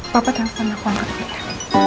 papa telepon aku angkat dulu ya